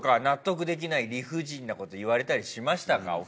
納得できない理不尽なこと言われたりしましたか？